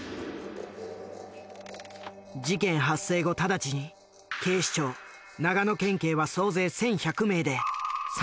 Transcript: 事件発生後直ちに警視庁長野県警は総勢１，１００名で山荘を包囲した。